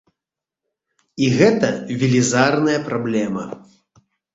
І гэта велізарная праблема.